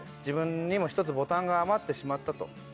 自分にも一つボタンが余ってしまったと。